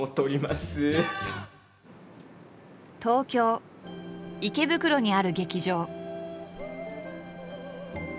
東京池袋にある劇場。